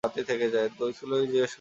স্কুলে গিয়ে জিজ্ঞাসা করো।